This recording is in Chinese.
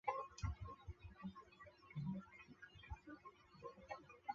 并决定由卢日科夫继续担任该职务。